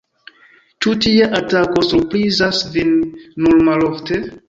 Ĉu tia atako surprizas vin nur malofte?